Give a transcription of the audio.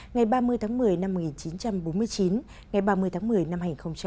ngày ba mươi tháng một mươi năm một nghìn chín trăm bốn mươi chín ngày ba mươi tháng một mươi năm hai nghìn một mươi chín